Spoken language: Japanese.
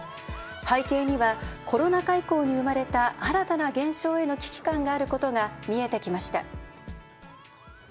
背景にはコロナ禍以降に生まれた新たな現象への危機感があることが見えてきました。